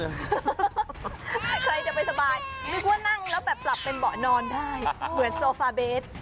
ใครจะไปสบายนึกว่านั่งแล้วแบบปรับเป็นเบาะนอนได้เหมือนโซฟาเบส